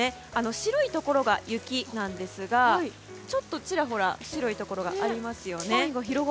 白いところが雪なんですがちょっと、ちらほら白いところがありますね。